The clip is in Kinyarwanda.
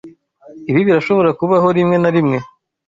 Ibi birashobora kubaho rimwe na rimwe.